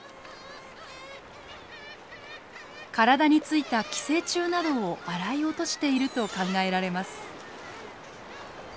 体に付いた寄生虫などを洗い落としていると考えられます。